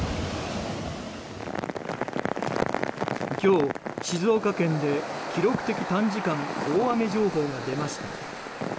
今日、静岡県で記録的短時間大雨情報が出ました。